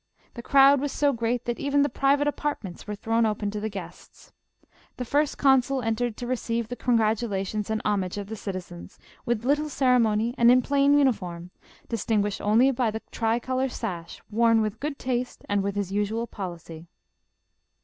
The crowd was so great, that even the private apartments were thrown open to the guests. The First Consul entered to re ceive the congratulations and homage of the citizens, with little ceremony and in plain uniform, distinguished only by the tri color sash, worn with good taste and with his usual policy.